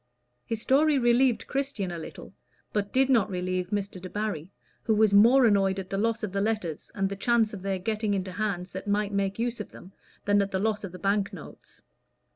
His story relieved Christian a little, but did not relieve Mr. Debarry, who was more annoyed at the loss of the letters, and the chance of their getting into hands that might make use of them, than at the loss of the bank notes.